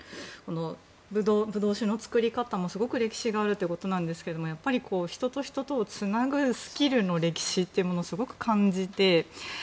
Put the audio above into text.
ブドウ酒の造り方もすごく歴史があるということなんですけどもやっぱり人と人とをつなぐスキルの歴史というのをすごく感じて。